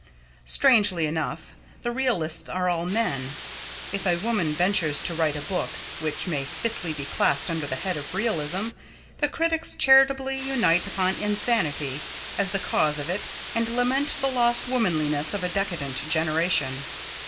Strangely enough, the realists are all men. If a woman ventures to write a book which may fitly be classed under the head of realism, the critics charitably unite upon insanity as the cause of it and lament the lost womanliness of a decadent generation.